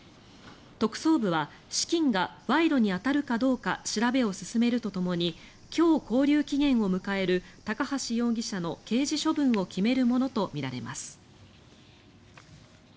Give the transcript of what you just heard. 特捜部は資金が賄賂に当たるかどうか調べを進めるとともに今日、勾留期限を迎える高橋容疑者の刑事処分を決めるものとみられます。